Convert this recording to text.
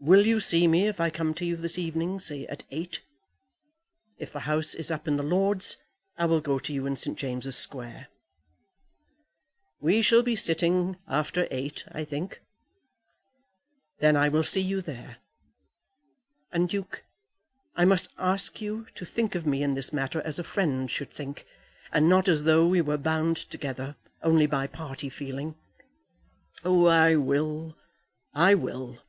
Will you see me, if I come to you this evening, say at eight? If the House is up in the Lords I will go to you in St. James's Square." "We shall be sitting after eight, I think." "Then I will see you there. And, Duke, I must ask you to think of me in this matter as a friend should think, and not as though we were bound together only by party feeling." "I will, I will."